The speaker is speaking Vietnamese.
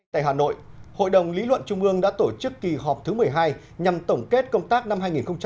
tại hà nội hội đồng lý luận trung ương đã tổ chức kỳ họp thứ một mươi hai nhằm tổng kết công tác năm hai nghìn một mươi chín